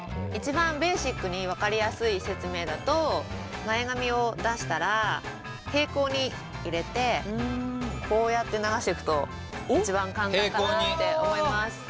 一番ベーシックに分かりやすい説明だと前髪を出したら平行に入れてこうやって流していくと一番簡単かなって思います。